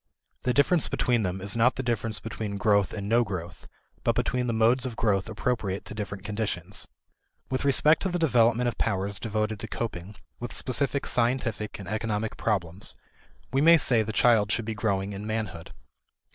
The difference between them is not the difference between growth and no growth, but between the modes of growth appropriate to different conditions. With respect to the development of powers devoted to coping with specific scientific and economic problems we may say the child should be growing in manhood.